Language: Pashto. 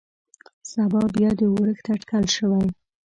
سبا بيا د اورښت اټکل شوى.